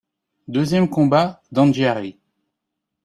Deuxième combat d'Anghiari.